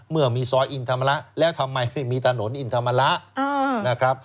เมื่อมีซอยอินธรรมระแล้วทำไมมีถนนอินธรรมระนะครับ